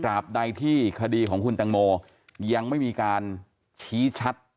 บใดที่คดีของคุณตังโมยังไม่มีการชี้ชัด